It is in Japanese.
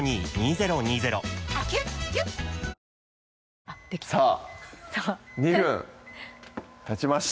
もうねさぁ２分たちました